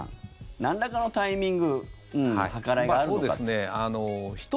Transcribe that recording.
なんらかのタイミング計らいがあるのかと。